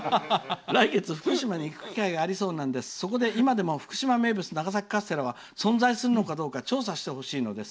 来月、福島に行く機会がありそうなのでそこで今でも福島名物長崎カステラは存在するのかどうか調査してほしいです。